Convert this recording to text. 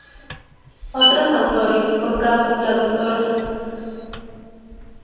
Otros autores, por caso, la Dra.